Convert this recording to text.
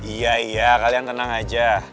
iya iya kalian tenang aja